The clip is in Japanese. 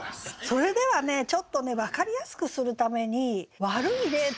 それではねちょっとね分かりやすくするために悪い例っていうのをね